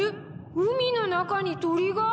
海の中に鳥が！？